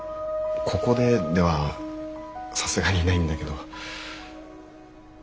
ここでではさすがにないんだけど。